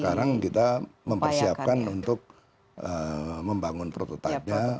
sekarang kita mempersiapkan untuk membangun prototipenya